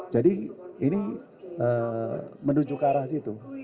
jadi ini menuju ke arah situ